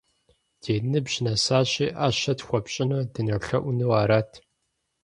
Ди ныбжь нэсащи, ӏэщэ тхуэпщӏыну дынолъэӏуну арат.